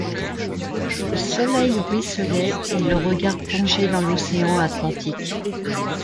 Le soleil ruisselait et le regard plongeait dans l’océan Atlantique.